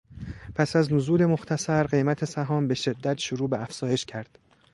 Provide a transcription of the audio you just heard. پس از نزول مختصر قیمت سهام به شدت شروع به افزایش کرد.